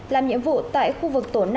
làm nhiệm vụ tại khu vực tổ năm